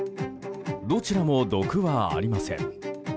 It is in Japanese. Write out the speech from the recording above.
どちらも毒はありません。